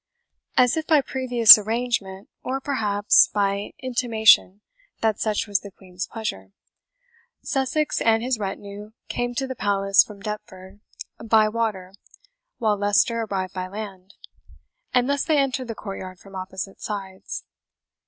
As if by previous arrangement, or perhaps by intimation that such was the Queen's pleasure, Sussex and his retinue came to the Palace from Deptford by water while Leicester arrived by land; and thus they entered the courtyard from opposite sides.